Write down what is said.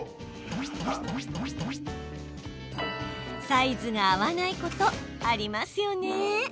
サイズが合わないことありますよね。